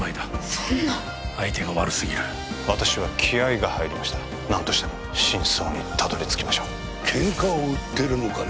そんな相手が悪すぎる私は気合いが入りました何としても真相にたどり着きましょうケンカを売ってるのかね